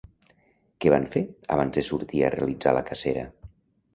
Què van fer, abans de sortir a realitzar la cacera?